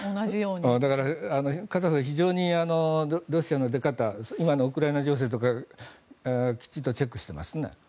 だから、カザフは非常にロシアの出方今のウクライナ情勢とかきちんとチェックしていますね。